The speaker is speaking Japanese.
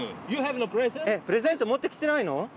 プレゼント持ってきてないの？